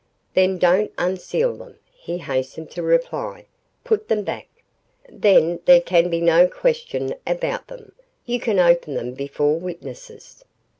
"Then don't unseal them," he hastened to reply. "Put them back. Then there can be no question about them. You can open them before witnesses."